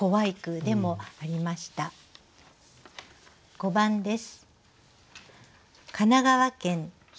５番です。